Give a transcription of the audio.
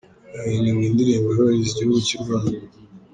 Haririmbwa indirimbo yubahiriza igihugu cy'u Rwanda.